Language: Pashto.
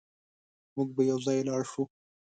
موږ به يوځای لاړ شو